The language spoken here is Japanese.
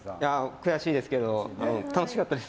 悔しいですけど楽しかったです。